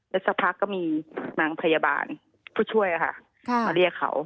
แล้วสักพักก็มีนางพยาบาลผู้ช่วยมาเรียกเขา